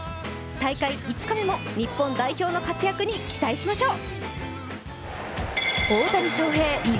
大会５日目も日本代表の活躍に期待しましょう。